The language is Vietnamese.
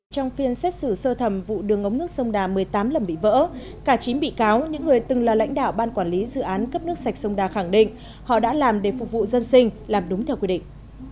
trong phiên xét xử sơ thẩm vụ đường ống nước sông đà một mươi tám lần bị vỡ cả chín bị cáo những người từng là lãnh đạo ban quản lý dự án cấp nước sạch sông đà khẳng định họ đã làm để phục vụ dân sinh làm đúng theo quy định